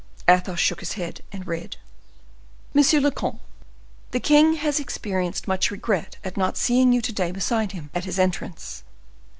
Athos shook his head, and read: "MONSIEUR LE COMTE.—The king has experienced much regret at not seeing you to day beside him, at his entrance.